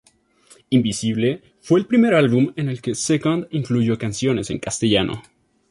Invisible fue el primer álbum en el que Second incluyó canciones en castellano.